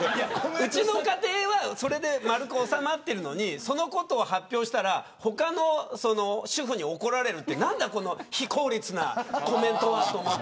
うちの家庭はそれで丸く収まっているのにそのことを発表したら他の主婦に怒られるって何だ、この非効率なコメントはって。